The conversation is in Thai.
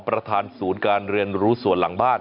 ประธานศูนย์การเรียนรู้ส่วนหลังบ้าน